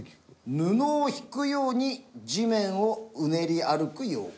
布を引くように地面をうねり歩く妖怪。